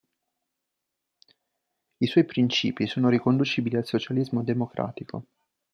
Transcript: I suoi principi sono riconducibili al Socialismo democratico.